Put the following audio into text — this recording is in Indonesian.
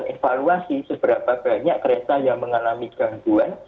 mereka juga melakukan evaluasi seberapa banyak kereta yang mengalami gangguan